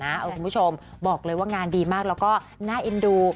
หนูหัวผู้ชมบอกเลยว่างานดีมากแล้วก็แน่นดู